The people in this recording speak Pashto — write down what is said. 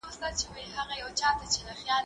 زه پرون سبزیجات وچول